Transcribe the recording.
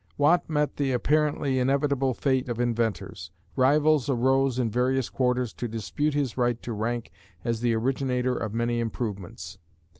Watt met the apparently inevitable fate of inventors. Rivals arose in various quarters to dispute his right to rank as the originator of many improvements.